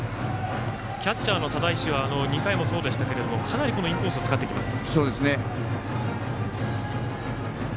キャッチャーの只石は２回もそうでしたけどかなりインコースを使ってきます。